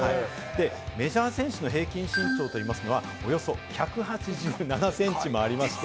メジャー選手の平均身長と言いますのは、およそ１８７センチもありまして。